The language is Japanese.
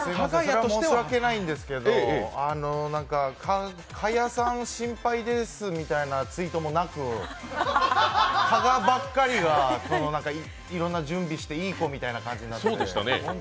申し訳ないんですけど賀屋さん心配ですみたいなツイートもなく、加賀ばっかりがいろんな準備していい子みたいになってて。